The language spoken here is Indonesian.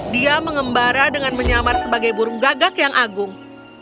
dia mengembara dengan menyamar sebagai burung gagak yang agung